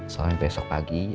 soalnya besok pagi